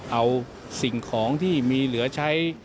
เอาสิ่งของที่มีเหลือใช้